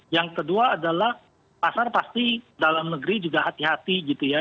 yang kedua adalah pasar pasti dalam negeri juga hati hati gitu ya